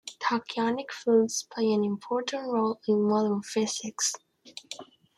Tachyonic fields play an important role in modern physics.